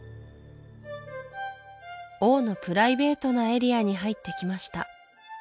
王のプライベートなエリアに入ってきました